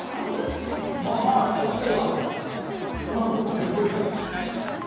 まあまあ、すべては妻のおかげでございます。